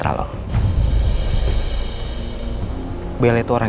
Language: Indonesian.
bel itu orang yang bisa menilai orang